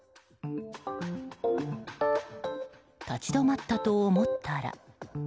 立ち止まったと思ったら。